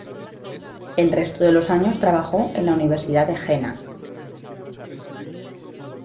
El resto de los años trabajó en la Universidad de Jena.